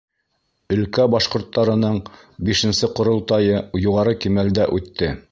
Өлкә башҡорттарының бишенсе ҡоролтайы юғары кимәлдә үтте.